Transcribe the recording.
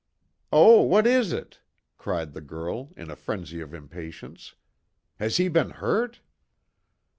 "Oh, what is it?" cried the girl, in a frenzy of impatience, "has he been hurt?"